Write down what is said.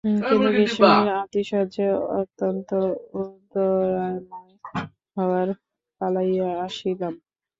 কিন্তু গ্রীষ্মের আতিশয্যে অত্যন্ত উদরাময় হওয়ায় পলাইয়া আসিলাম।